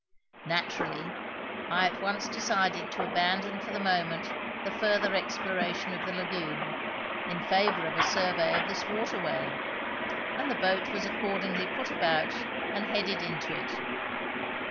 Naturally, I at once decided to abandon for the moment the further exploration of the lagoon, in favour of a survey of this waterway, and the boat was accordingly put about and headed into it.